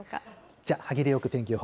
じゃあ歯切れよく、天気予報。